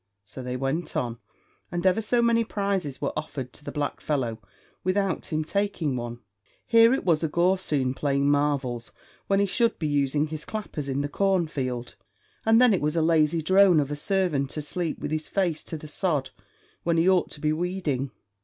So they went on, and ever so many prizes were offered to the black fellow without him taking one. Here it was a gorsoon playing marvels when he should be using his clappers in the corn field; and then it was a lazy drone of a servant asleep with his face to the sod when he ought to be weeding.